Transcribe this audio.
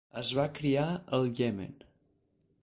Es va criar al Iemen.